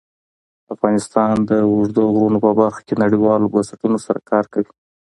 افغانستان د اوږده غرونه په برخه کې نړیوالو بنسټونو سره کار کوي.